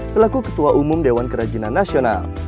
selaku ketua umum dewan kerajinan nasional